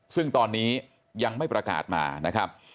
ซึ่งตอนนี้ยังไม่ประกาศมานะครับ